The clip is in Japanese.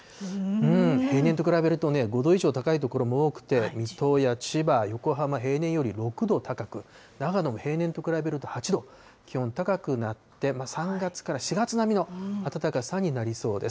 平年と比べるとね、５度以上高い所も多くて、水戸や千葉、横浜、平年より６度高く、長野も平年と比べると８度、気温高くなって、３月から４月並みの暖かさになりそうです。